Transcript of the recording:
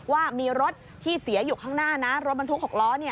ว่ามีรถที่เสียอยู่ข้างหน้านะรถบรรทุก๖ล้อ